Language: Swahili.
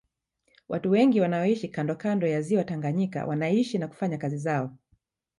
Watu wengi wanaoishi kando kando ya Ziwa Tanganyika wanaishi na kufanya kazi zao